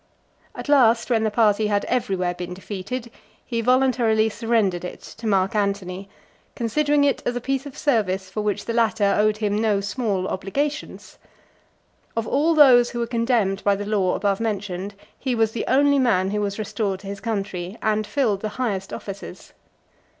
At last, when the party had everywhere been defeated, he voluntarily surrendered it to (339) Mark Antony; considering it as a piece of service for which the latter owed him no small obligations. Of all those who were condemned by the law above mentioned, he was the only man who was restored to his country, and filled the highest offices.